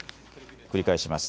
繰り返します。